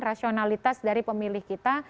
rasionalitas dari pemilih kita